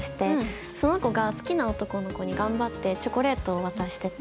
その子が好きな男の子に頑張ってチョコレートを渡してて。